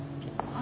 あ。